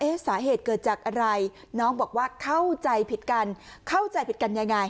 สาเหตุเกิดจากอะไรน้องบอกว่าเข้าใจผิดกันเข้าใจผิดกันยังไง